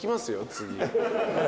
次。